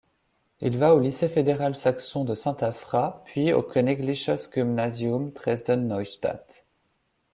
Il va au lycée fédéral saxon de Saint Afra puis au Königliches Gymnasium Dresden-Neustadt.